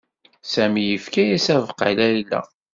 Sami yefka-as abeqqa i Layla.